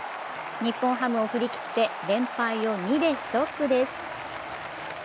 日本ハムを振り切って連敗を２でストップです。